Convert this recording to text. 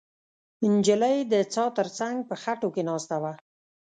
نجلۍ د څا تر څنګ په خټو کې ناسته وه.